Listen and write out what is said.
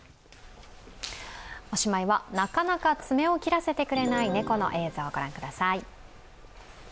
おしまいは、なかなか爪を切らせてくれない猫の映像、御覧ください